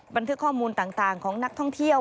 บันทึกข้อมูลต่างของนักท่องเที่ยว